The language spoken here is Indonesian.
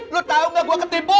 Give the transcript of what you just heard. lo tau gak gue ketipu